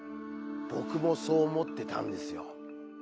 僕もそう思ってたんですよ。